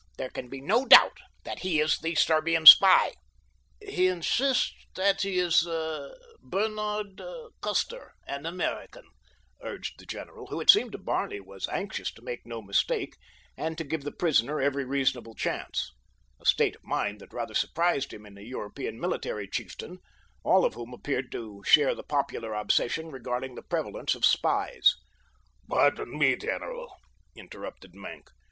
There can be no doubt but that he is the Serbian spy." "He insists that he is Bernard Custer, an American," urged the general, who, it seemed to Barney, was anxious to make no mistake, and to give the prisoner every reasonable chance—a state of mind that rather surprised him in a European military chieftain, all of whom appeared to share the popular obsession regarding the prevalence of spies. "Pardon me, general," interrupted Maenck.